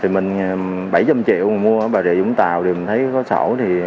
thì mình bảy trăm linh triệu mua ở bà rịa vũng tàu thì mình thấy có sổ